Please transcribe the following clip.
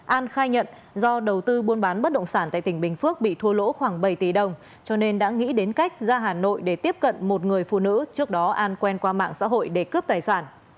an khai nhận do đầu tư buôn bán bất động sản tại tỉnh bình phước bị thua lỗ khoảng bảy tỷ đồng cho nên đã nghĩ đến cách ra hà nội để tiếp cận một người phụ nữ trước đó an quen qua mạng xã hội để cướp tài sản